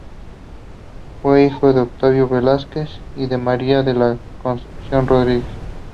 Fue hijo de Octaviano Velázquez y María de la Concepción Rodríguez.